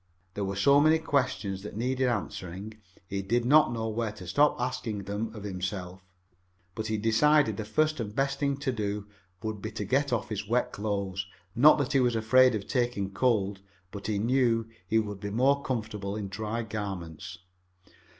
There were so many questions that needed answering he did not know where to stop asking them of himself. But he decided the first and best thing to do would be to get off his wet clothes. Not that he was afraid of taking cold, but he knew he would be more comfortable in dry garments.